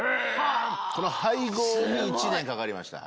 この配合に１年かかりました。